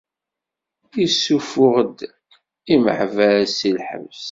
Issufuɣ-d imeḥbas si lḥebs.